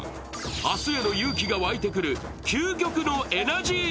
明日への勇気が湧いてくる究極のエナジー